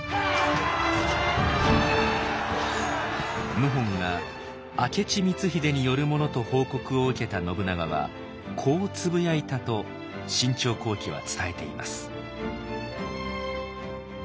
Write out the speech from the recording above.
謀反が明智光秀によるものと報告を受けた信長はこうつぶやいたと「信長公記」は伝えています。